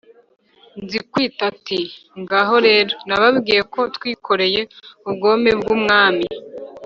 Nzikwiba ati: "Ngaho rero nababwiye ko twikoreye ubwome bw' umwami,